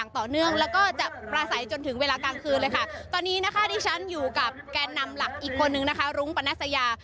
ตอนนี้นะคะที่ฉันอยู่กับแกนนำหลักอีกคนนึงนะคะรุ้งปรณสยา